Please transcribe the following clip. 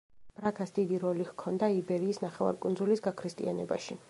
ბრაგას დიდი როლი ჰქონდა იბერიის ნახევარკუნძულის გაქრისტიანებაში.